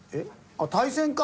あっ対戦か。